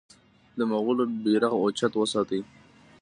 د مغولو بیرغ اوچت وساتي.